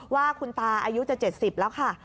ว่าคุณตาอายุจะ๗๐แล้วค่ะ